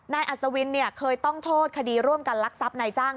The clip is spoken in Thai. อัศวินเคยต้องโทษคดีร่วมกันลักทรัพย์นายจ้าง